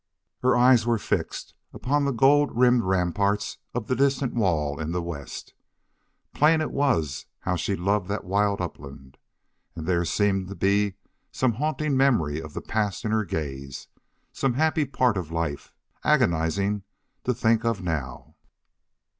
Her eyes were fixed upon the gold rimmed ramparts of the distant wall in the west. Plain it was how she loved that wild upland. And there seemed to be some haunting memory of the past in her gaze some happy part of life, agonizing to think of now.